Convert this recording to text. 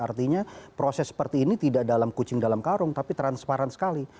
artinya proses seperti ini tidak dalam kucing dalam karung tapi transparan sekali